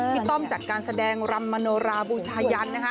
ต้อมจัดการแสดงรำมโนราบูชายันนะคะ